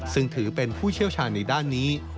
ซึ่งถือเป็นผู้เชี่ยวชาญในด้านนี้